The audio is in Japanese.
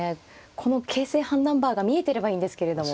この形勢判断バーが見えてればいいんですけれども。